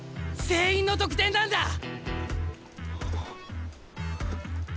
全員の得点なんだ！